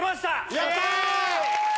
やった！